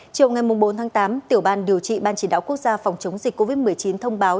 chiều ngày bốn tháng tám tiểu ban điều trị ban chỉ đạo quốc gia phòng chống dịch covid một mươi chín thông báo